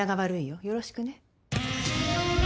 よろしくね。